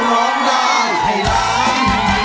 ร้องได้ให้ล้าน